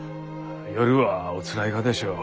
夜はおつらいがでしょう。